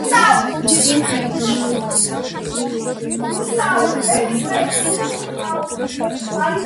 სიმღერა გამოიცა ალბომის პირველი სინგლის სახით.